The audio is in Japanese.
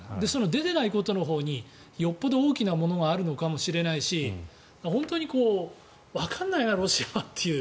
出ていないことのほうによっぽど大きなことがあるのかもしれないし本当に、わからないなロシアはっていう。